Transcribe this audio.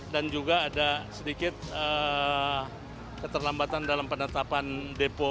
dan juga ada sedikit keterlambatan dalam penetapan depo